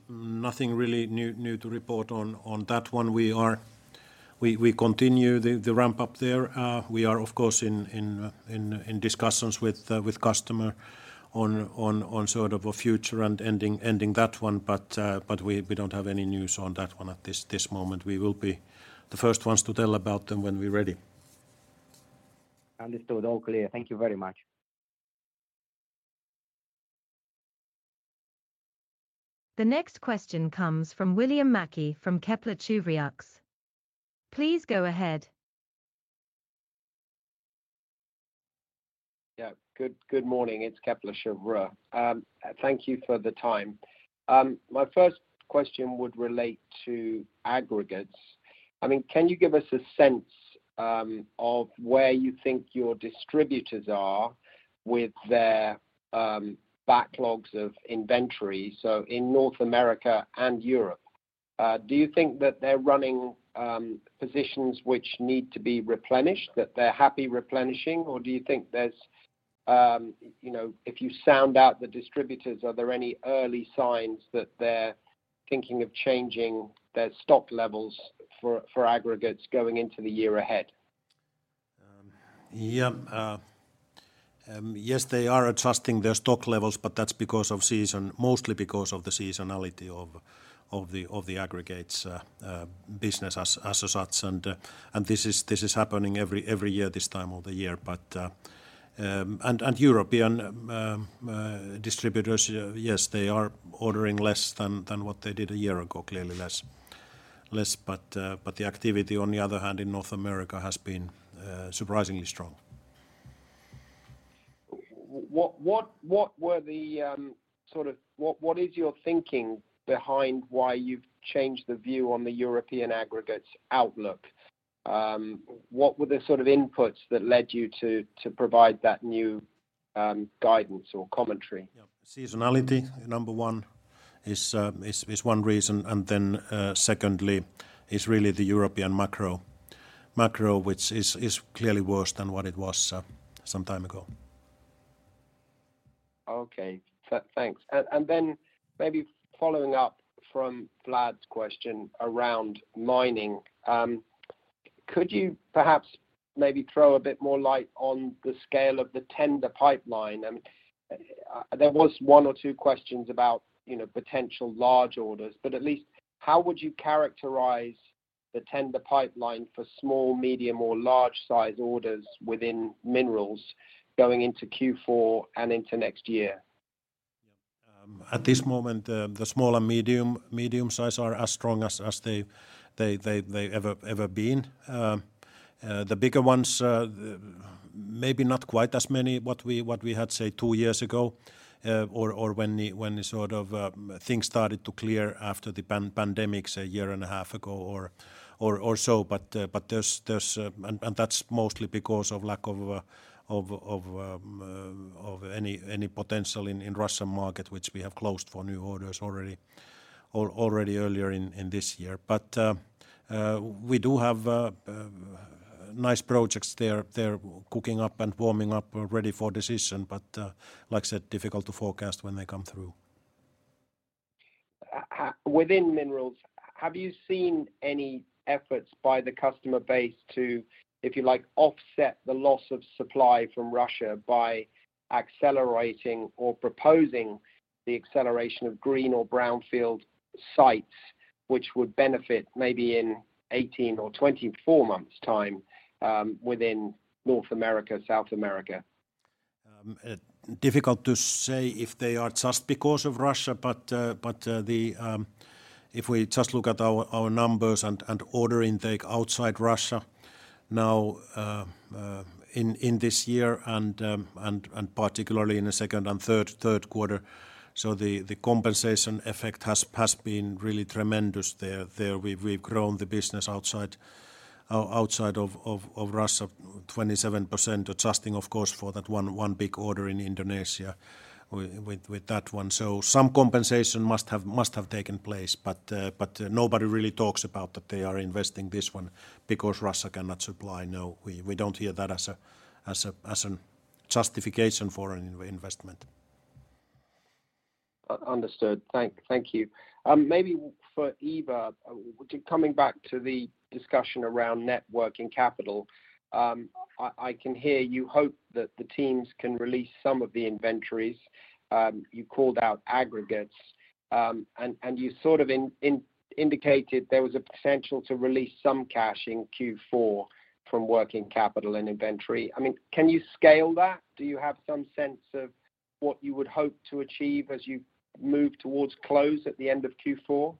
Nothing really new to report on that one. We continue the ramp up there. We are of course in discussions with customer on sort of a future and ending that one, but we don't have any news on that one at this moment. We will be the first ones to tell about them when we're ready. Understood. All clear. Thank you very much. The next question comes from William Mackie from Kepler Cheuvreux. Please go ahead. Yeah. Good morning. It's Kepler Cheuvreux. Thank you for the time. My first question would relate to Aggregates. I mean, can you give us a sense of where you think your distributors are with their backlogs of inventory, so in North America and Europe? Do you think that they're running positions which need to be replenished, that they're happy replenishing? Or do you think there's you know. If you sound out the distributors, are there any early signs that they're thinking of changing their stock levels for Aggregates going into the year ahead? Yes, they are adjusting their stock levels, but that's because of seasonality, mostly because of the seasonality of the business as such. European distributors, yes, they are ordering less than what they did a year ago, clearly less. The activity on the other hand in North America has been surprisingly strong. What is your thinking behind why you've changed the view on the European Aggregates outlook? What were the sort of inputs that led you to provide that new guidance or commentary? Yeah. Seasonality, number one, is one reason. Then, secondly is really the European macro, which is clearly worse than what it was, some time ago. Okay. Thanks. Then maybe following up from Vlad's question around mining, could you perhaps maybe throw a bit more light on the scale of the tender pipeline? I mean, there was one or two questions about, you know, potential large orders, but at least how would you characterize the tender pipeline for small, medium or large size orders within Minerals going into Q4 and into next year? Yeah. At this moment, the small and medium size are as strong as they ever been. The bigger ones maybe not quite as many what we had say two years ago or when the sort of things started to clear after the pandemic a year and a half ago or so. There's that's mostly because of lack of any potential in Russian market, which we have closed for new orders already earlier in this year. We do have nice projects. They're cooking up and warming up, ready for decision. Like I said, difficult to forecast when they come through. Within Minerals, have you seen any efforts by the customer base to, if you like, offset the loss of supply from Russia by accelerating or proposing the acceleration of green or brownfield sites which would benefit maybe in 18 or 24 months' time, within North America, South America? Difficult to say if they are just because of Russia, but if we just look at our numbers and order intake outside Russia now, in this year and particularly in the second and third quarter. The compensation effect has been really tremendous there. We've grown the business outside of Russia 27% adjusting of course for that one big order in Indonesia with that one. Some compensation must have taken place. Nobody really talks about that they are investing this one because Russia cannot supply. No. We don't hear that as a justification for an investment. Understood. Thank you. Maybe for Eeva, coming back to the discussion around net working capital, I can hear you hope that the teams can release some of the inventories. You called out Aggregates. And you sort of indicated there was a potential to release some cash in Q4 from working capital and inventory. I mean, can you scale that? Do you have some sense of what you would hope to achieve as you move towards close at the end of Q4?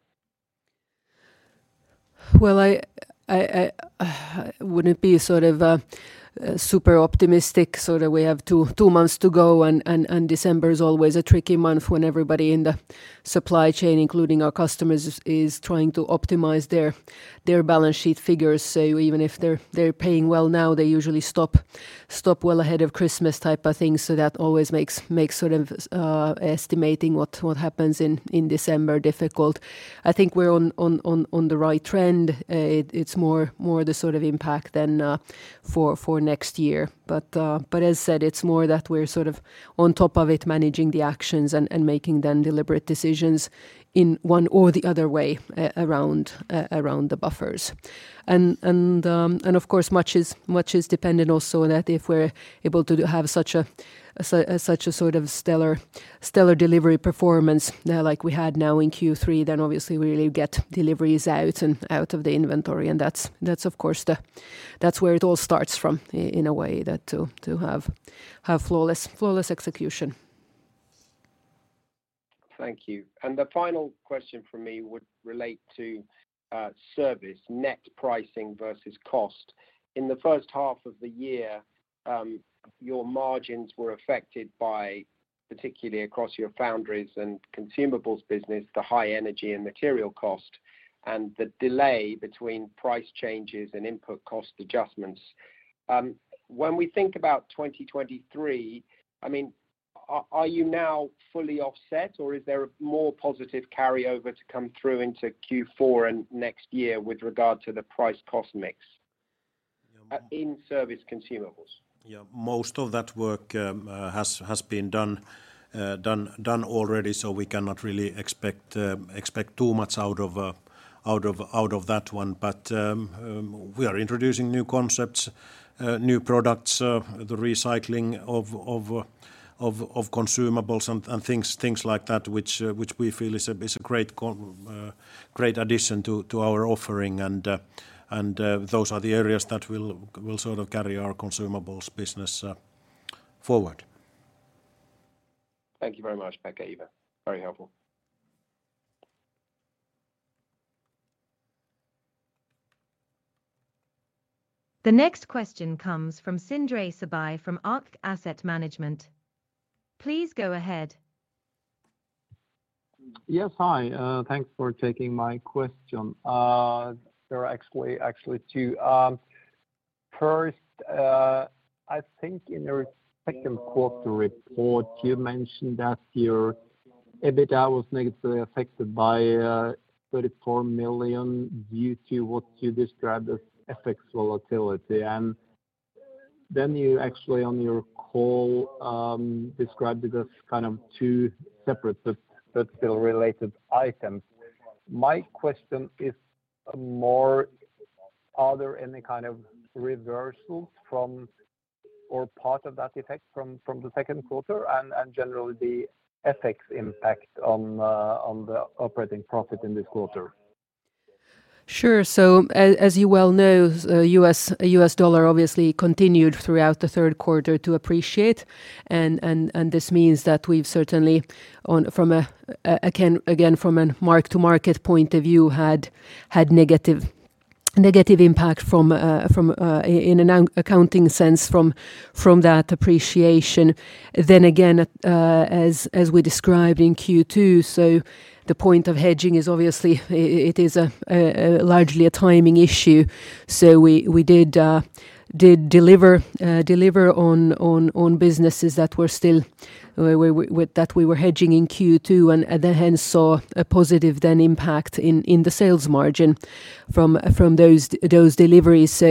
Well, I wouldn't be sort of super optimistic so that we have two months to go and December is always a tricky month when everybody in the supply chain, including our customers, is trying to optimize their balance sheet figures. Even if they're paying well now, they usually stop well ahead of Christmas type of thing. That always makes sort of estimating what happens in December difficult. I think we're on the right trend. It's more the sort of impact than for next year. As said, it's more that we're sort of on top of it, managing the actions and making then deliberate decisions in one or the other way around the buffers. Of course, much is dependent also that if we're able to have such a sort of stellar delivery performance now like we had now in Q3, then obviously we really get deliveries out of the inventory. That's of course that's where it all starts from in a way that to have flawless execution. Thank you. The final question from me would relate to service net pricing versus cost. In the first half of the year, your margins were affected by, particularly across your foundries and consumables business, the high energy and material cost and the delay between price changes and input cost adjustments. When we think about 2023, I mean, are you now fully offset or is there more positive carryover to come through into Q4 and next year with regard to the price cost mix? Yeah. In-service consumables? Yeah. Most of that work has been done already, so we cannot really expect too much out of that one. We are introducing new concepts, new products, the recycling of consumables and things like that which we feel is a great addition to our offering and those are the areas that will sort of carry our consumables business forward. Thank you very much, Pekka, Eeva. Very helpful. The next question comes from Sindre Sørbye from Arctic Asset Management. Please go ahead. Yes. Hi. Thanks for taking my question. There are actually two. First, I think in your second quarter report, you mentioned that your EBITDA was negatively affected by 34 million due to what you described as FX volatility. Then you actually on your call described it as kind of two separate but still related items. My question is more are there any kind of reversals from or part of that effect from the second quarter and generally the FX impact on the operating profit in this quarter? As you well know, U.S. dollar obviously continued throughout the third quarter to appreciate and this means that we've certainly, from a mark-to-market point of view, had negative impact from, in an accounting sense, from that appreciation. Again, as we described in Q2, the point of hedging is obviously it is largely a timing issue. We did deliver on businesses that were still with that we were hedging in Q2 and then hence saw a positive impact in the sales margin from those deliveries.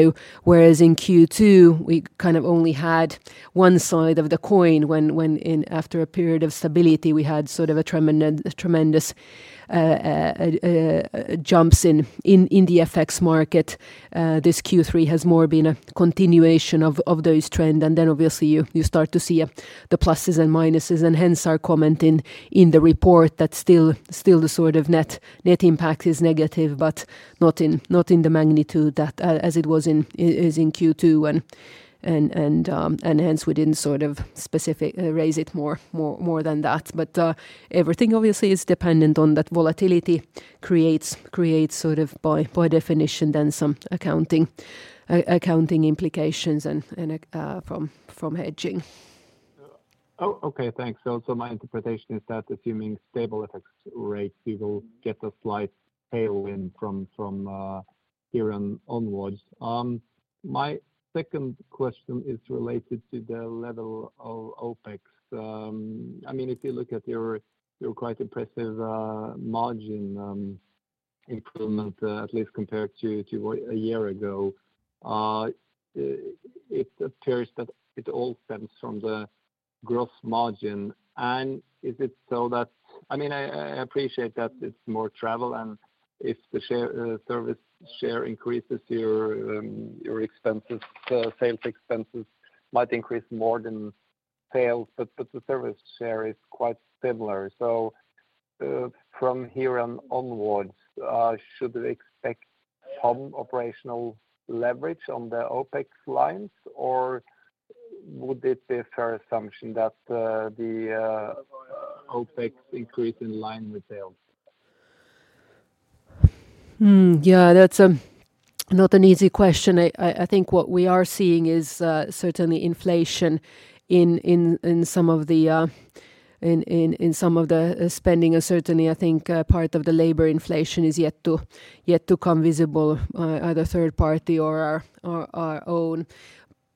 Whereas in Q2 we kind of only had one side of the coin when in after a period of stability we had sort of a tremendous jumps in the FX market. This Q3 has more been a continuation of those trend and then obviously you start to see the pluses and minuses and hence our comment in the report that still the sort of net impact is negative, but not in the magnitude that as it was in is in Q2 and hence we didn't sort of specific raise it more than that. Everything obviously is dependent on that volatility creates sort of by definition then some accounting implications and from hedging. Oh, okay, thanks. My interpretation is that assuming stable FX rates, we will get a slight tailwind from here onwards. My second question is related to the level of OpEx. I mean, if you look at your quite impressive margin improvement, at least compared to a year ago, it appears that it all stems from the gross margin. Is it so that I mean, I appreciate that it's more travel and if the service share increases your sales expenses might increase more than sales, but the service share is quite similar. From here onwards, should we expect some operational leverage on the OpEx lines or would it be a fair assumption that the OpEx increase in line with sales? Yeah, that's not an easy question. I think what we are seeing is certainly inflation in some of the spending and certainly I think part of the labor inflation is yet to come visible either third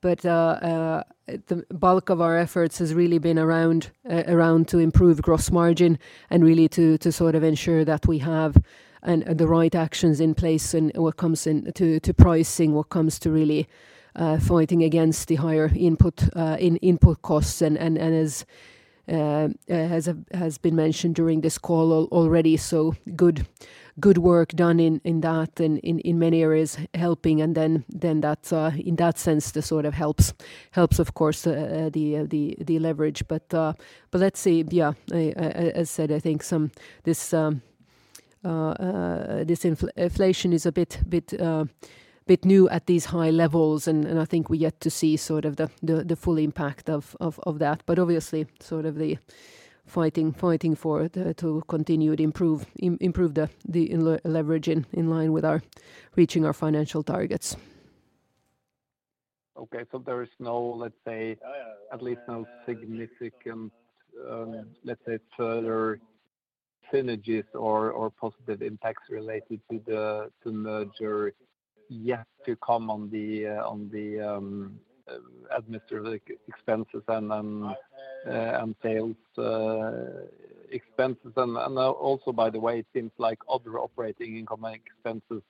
party or our own. The bulk of our efforts has really been around to improve gross margin and really to sort of ensure that we have the right actions in place when it comes to pricing, what comes to really fighting against the higher input costs. As has been mentioned during this call already, good work done in that and in many areas helping, and then that sort of helps, of course, the leverage. Let's see. Yeah. As said, I think this inflation is a bit new at these high levels and I think we're yet to see sort of the full impact of that. Obviously fighting to continue to improve the leverage in line with our reaching our financial targets. Okay. There is no significant further synergies or positive impacts related to the merger yet to come on the administrative expenses and sales expenses. Also by the way, it seems like other operating income and expenses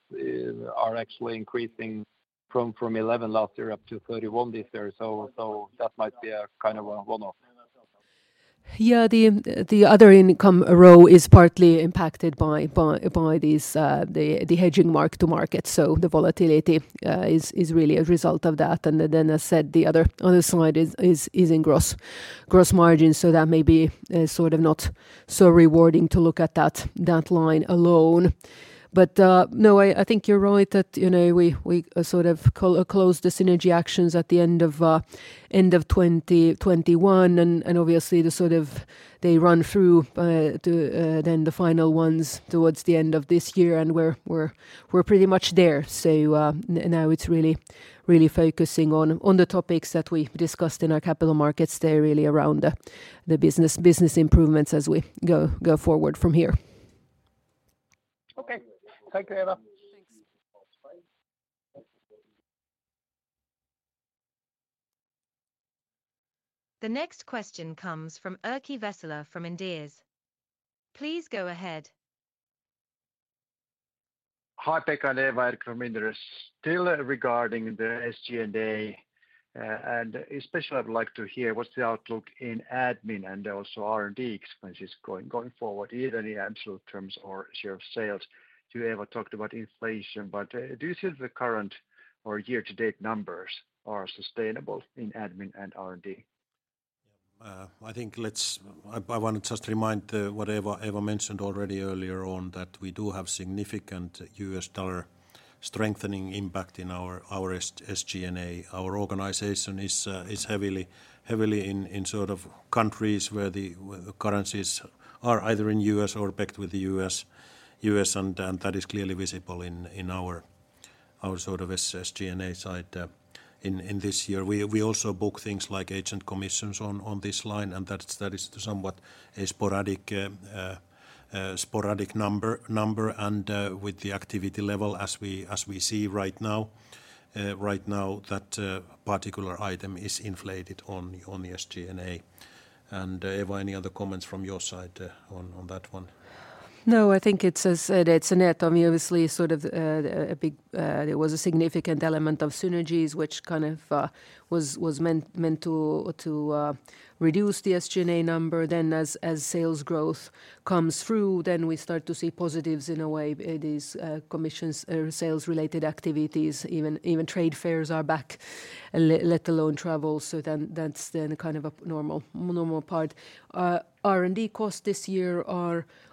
are actually increasing from 11 last year up to 31 this year. That might be a kind of a one-off. Yeah. The other income row is partly impacted by the hedging mark-to-market. The volatility is really a result of that. As said, the other side is in gross margin. That may be sort of not so rewarding to look at that line alone. No, I think you're right that, you know, we sort of closed the synergy actions at the end of 2021 and obviously they run through, then the final ones towards the end of this year and we're pretty much there. Now it's really focusing on the topics that we discussed in our Capital Markets Day. They're really around the business improvements as we go forward from here. Okay. Thank you, Eeva. Thanks. The next question comes from Erkki Vesola from Inderes. Please go ahead. Hi, Pekka and Eeva. Erkki from Inderes. Still regarding the SG&A and especially I would like to hear what's the outlook in admin and also R&D expenses going forward, either the absolute terms or share of sales. You, Eeva, talked about inflation, but do you see the current or year-to-date numbers are sustainable in admin and R&D? Yeah. I think I wanna just remind what Eeva mentioned already earlier on that we do have significant U.S. dollar strengthening impact in our SG&A. Our organization is heavily in sort of countries where the currencies are either in U.S. or backed with the U.S. and that is clearly visible in our sort of SG&A side in this year. We also book things like agent commissions on this line, and that is somewhat a sporadic number and with the activity level as we see right now. Right now that particular item is inflated on the SG&A. Eeva, any other comments from your side on that one? No, I think it's as said, it's a net. I mean, obviously sort of a big it was a significant element of synergies which kind of was meant to reduce the SG&A number. As sales growth comes through, we start to see positives in a way these commissions or sales related activities, even trade fairs are back, let alone travel. That's then kind of a normal part. R&D costs this year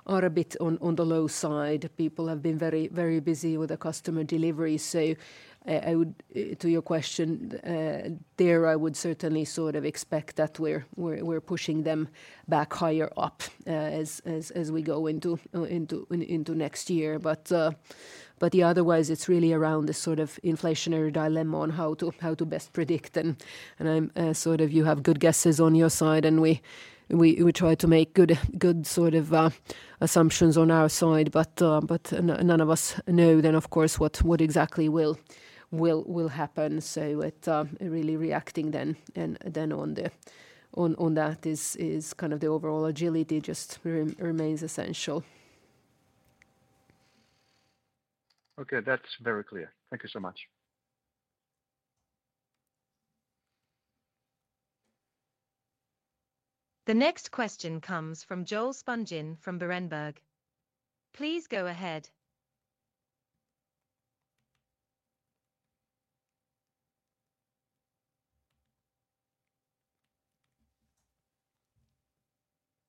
are a bit on the low side. People have been very busy with the customer delivery. I would, to your question, there I would certainly sort of expect that we're pushing them back higher up, as we go into next year. Yeah, otherwise it's really around this sort of inflationary dilemma on how to best predict. I'm sort of you have good guesses on your side and we try to make good sort of assumptions on our side. None of us know then of course what exactly will happen. With really reacting then on that is kind of the overall agility just remains essential. Okay. That's very clear. Thank you so much. The next question comes from Joel Spungin from Berenberg. Please go ahead.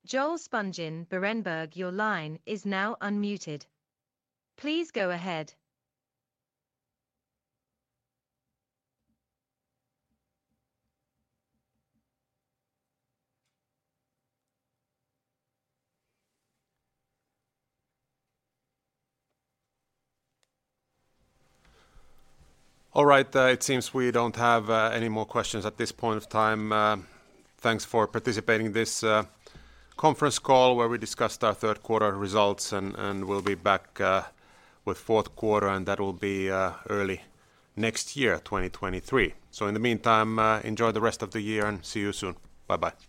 Joel Spungin, Berenberg, your line is now unmuted. Please go ahead. All right. It seems we don't have any more questions at this point of time. Thanks for participating in this conference call where we discussed our third quarter results and we'll be back with fourth quarter and that will be early next year, 2023. In the meantime, enjoy the rest of the year and see you soon. Bye-bye.